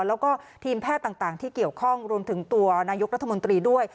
แล้วก็ทีมแพทย์ต่างที่เกี่ยวข้องรวมถึงตัวนายกรัฐมนตรีด้วย